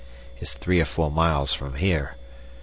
It's three or four miles from here.